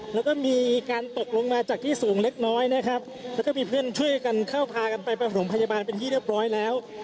แล้วก็มีการตกลงมาจากที่สูงเล็กน้อยนะครับแล้วก็มีเพื่อนช่วยกันเข้าพากันไปประถมพยาบาลเป็นที่เรียบร้อยแล้ว